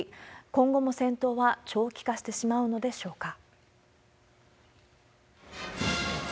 今後も長期化してしまうのでしょうか。